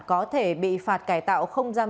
có thể bị phạt cải tạo không giam